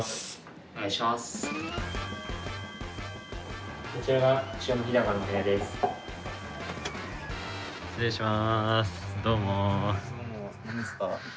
お願いします。